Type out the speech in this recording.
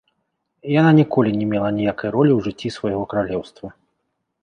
Яна ніколі не мела аніякай ролі ў жыцці свайго каралеўства.